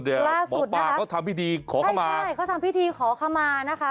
หมอปลาเขาทำพิธีขอเข้ามาใช่เขาทำพิธีขอขมานะคะ